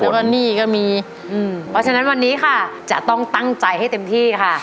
แล้วก็หนี้ก็มีอืมเพราะฉะนั้นวันนี้ค่ะจะต้องตั้งใจให้เต็มที่ค่ะ